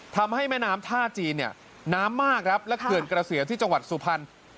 ทำให้แม่น้ำทาทีน้ำมากและเกินเกลาเสือที่จังหวัดสูพันธ์